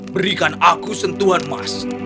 berikan aku sentuhan emas